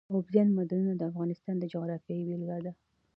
اوبزین معدنونه د افغانستان د جغرافیې بېلګه ده.